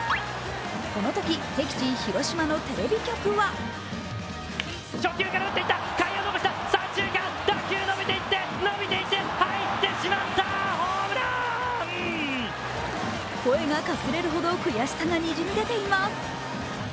このとき、敵地・広島のテレビ局は声がかすれるほど悔しさがにじみ出ています。